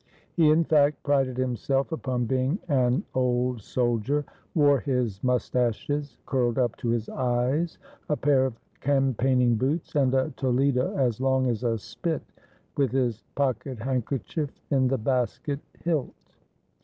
He in fact prided himself upon being an old soldier, wore his mustaches curled up to his eyes, a pair of campaign ing boots, and a toledo as long as a spit, with his pocket handkerchief in the basket hilt.